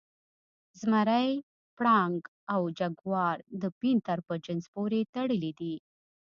زمری، پړانګ او جګوار د پینتر په جنس پورې تړلي دي.